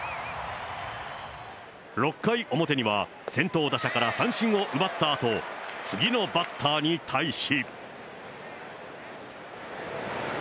６回表には、先頭打者から三振を奪ったあと、次のバッターに対し。